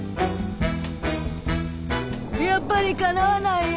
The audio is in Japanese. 「やっぱりかなわないや」。